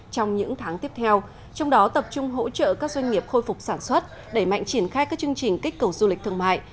trong những tháng tiếp theo trong đó tập trung hỗ trợ các doanh nghiệp khôi phục sản xuất đẩy mạnh triển khai các chương trình kích cầu du lịch thương mại